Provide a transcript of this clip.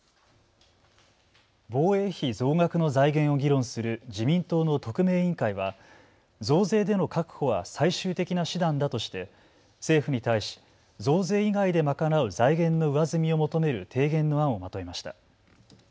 防衛費増額の財源を議論する自民党の特命委員会は増税での確保は最終的な手段だとして政府に対し増税以外で賄う財源の上積みを求める提言の案をまとめました。